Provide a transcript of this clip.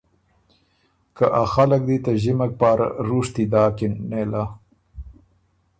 که ا خلق دی ته ݫِمک پاره رُوشتي داکِن نېله۔